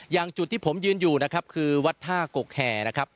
อย่างจุดที่ผมยืนอยู่นะครับคือวัดท่ากกแห่นะครับ